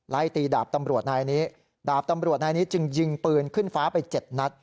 ไล่ตีดาบตำรวจนายนี้ดาบตำรวจนายนี้จึงยิงปืนขึ้นฟ้าไป๗นัด